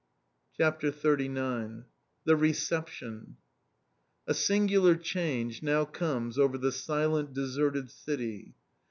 CHAPTER XXXIX THE RECEPTION A singular change now comes over the silent, deserted city.